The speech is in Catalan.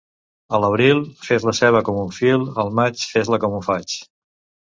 A l'abril, fes la ceba com un fil; al maig, fes-la com un faig.